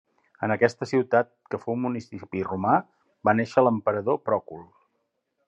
En aquesta ciutat, que fou municipi romà, va néixer l'emperador Pròcul.